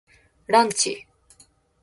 ランチ